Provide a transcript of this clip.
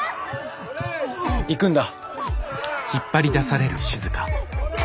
行くんだ。